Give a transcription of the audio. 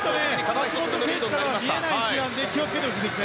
松元選手からは見えないので気を付けてほしいです。